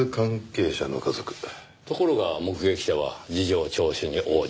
ところが目撃者は事情聴取に応じない。